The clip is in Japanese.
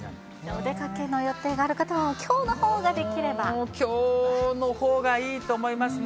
お出かけの予定がある方は、きょうのほうがいいと思いますね。